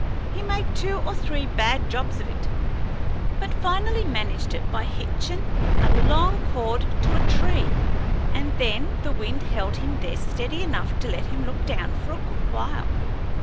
He made two or three bad jobs of it, but finally managed it by hitchin' a long cord to a tree, and then the wind held him there steady enough to let him look down for a good while."